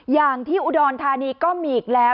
อย่างที่อุดรธานีก็มีอีกแล้ว